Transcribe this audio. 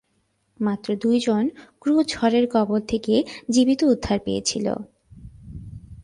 মাত্র দুইজন ক্রু ঝড়ের কবল থেকে জীবিত উদ্ধার পেয়েছিল।